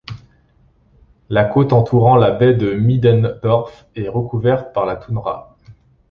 La côte entourant la baie de Middendorff est recouverte par la toundra.